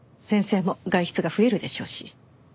先生も外出が増えるでしょうし。